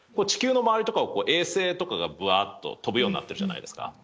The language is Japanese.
地球の周りとかを衛星とかがぶわっと飛ぶようになってるじゃないですか。